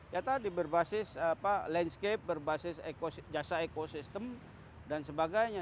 ya tadi berbasis landscape berbasis jasa ekosistem dan sebagainya